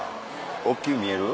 大っきく見える？